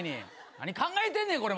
何考えてんねんこれ。